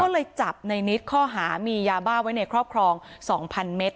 ก็เลยจับในนิดข้อหามียาบ้าไว้ในครอบครอง๒๐๐เมตร